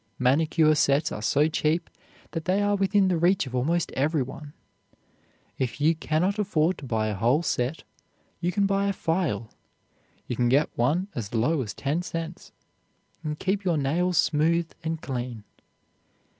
Manicure sets are so cheap that they are within the reach of almost everyone. If you can not afford to buy a whole set, you can buy a file (you can get one as low as ten cents), and keep your nails smooth and clean.